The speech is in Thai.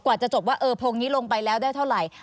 จะจบว่าเออโพงนี้ลงไปแล้วได้เท่าไหร่